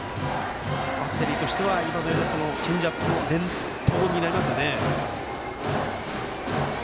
バッテリーとしては今のようなチェンジアップの連投になりますよね。